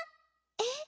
えっ？